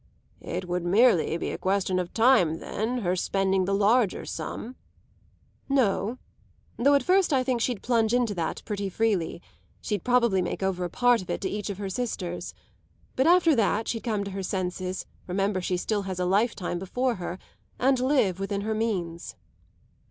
"It would merely be a question of time then, her spending the larger sum?" "No though at first I think she'd plunge into that pretty freely: she'd probably make over a part of it to each of her sisters. But after that she'd come to her senses, remember she has still a lifetime before her, and live within her means."